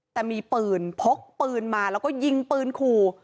แต่มีปืนพกปืนมาแล้วก็ยิงปืนขู่